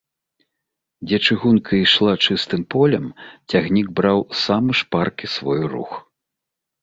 Дзе чыгунка ішла чыстым полем, цягнік браў самы шпаркі свой рух.